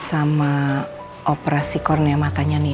fotonya bukan kayak gini